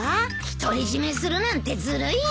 独り占めするなんてずるいや！